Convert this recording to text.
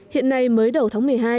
hiện nay mới đầu tháng một mươi hai